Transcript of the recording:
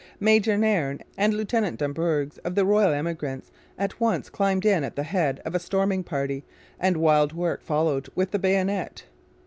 Major Nairne and Lieutenant Dambourges of the Royal Emigrants at once climbed in at the head of a storming party and wild work followed with the bayonet.